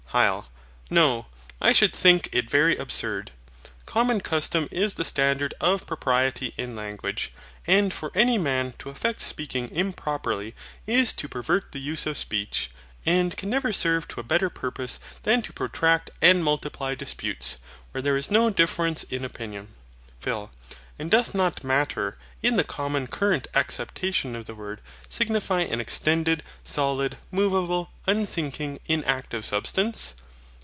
HYL. No; I should think it very absurd. Common custom is the standard of propriety in language. And for any man to affect speaking improperly is to pervert the use of speech, and can never serve to a better purpose than to protract and multiply disputes, where there is no difference in opinion. PHIL. And doth not MATTER, in the common current acceptation of the word, signify an extended, solid, moveable, unthinking, inactive Substance?